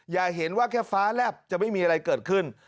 อย่าเห็นว่าแค่ฟ้าแลบจะไม่มีอะไรเกิดขึ้น